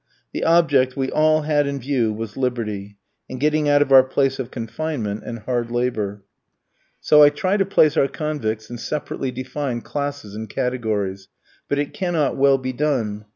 The object we all had in view was liberty, and getting out of our place of confinement and hard labour. So I try to place our convicts in separately defined classes and categories; but it cannot well be done.